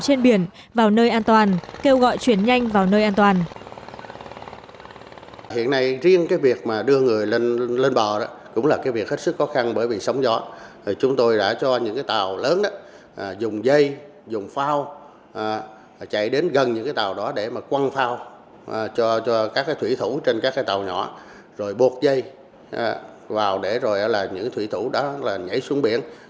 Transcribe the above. trên biển vào nơi an toàn kêu gọi chuyển nhanh vào nơi an toàn